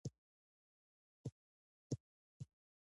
ستړی مه شې